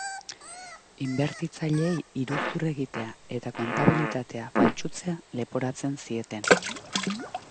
Inbertitzaileei iruzur egitea eta kontabilitatea faltsutzea leporatzen zieten.